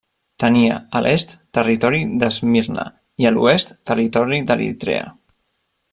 Tenia a l'est territori d'Esmirna i a l'oest territori d'Eritrea.